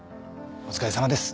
お疲れさまです。